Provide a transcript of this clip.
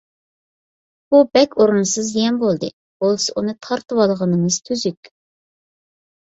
بۇ بەك ئورۇنسىز زىيان بولدى. بولسا، ئۇنى تارتىۋالغىنىمىز تۈزۈك،